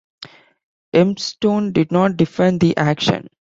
Hempstone did not defend the action.